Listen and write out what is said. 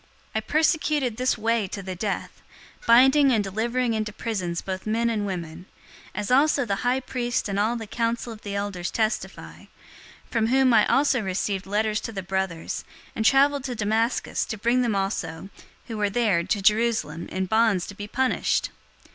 022:004 I persecuted this Way to the death, binding and delivering into prisons both men and women. 022:005 As also the high priest and all the council of the elders testify, from whom also I received letters to the brothers, and traveled to Damascus to bring them also who were there to Jerusalem in bonds to be punished.